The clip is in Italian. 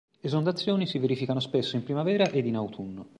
Esondazioni si verificano spesso in primavera ed in autunno.